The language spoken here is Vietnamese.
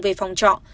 về phòng trọ